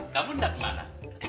kamu enggak kemana